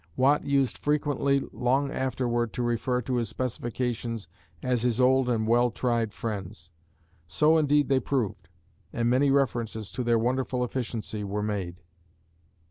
Watt used frequently long afterward to refer to his specifications as his old and well tried friends. So indeed they proved, and many references to their wonderful efficiency were made.